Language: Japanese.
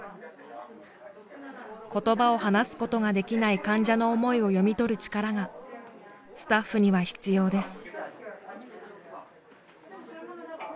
言葉を話すことができない患者の思いを読み取る力がスタッフには必要です。